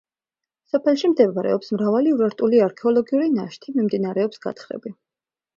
სოფელში მდებარეობს მრავალი ურარტული არქეოლოგიური ნაშთი, მიმდინარეობს გათხრები.